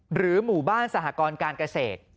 หรือหมู่บ้านสหกรการเกษตร